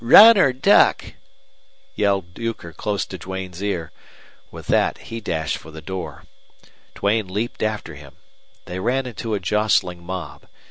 "Run or duck!" yelled Euchre, close to Duane's ear. With that he dashed for the door. Duane leaped after him. They ran into a jostling mob.